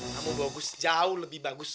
kamu bagus jauh lebih bagus